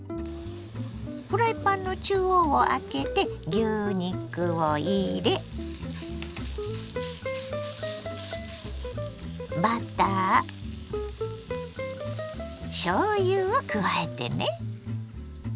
フライパンの中央をあけて牛肉を入れバターしょうゆを加えてね。